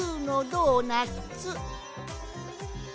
ドーナツ！